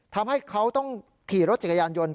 ทำให้เขาต้องขี่รถจักรยานยนต์